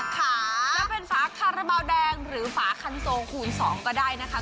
จะเป็นฝาคาราบาลแดงหรือฝาคันโซคูณ๒ก็ได้นะคะ